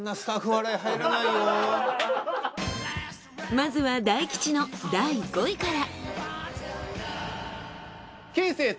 まずは大吉の第５位から。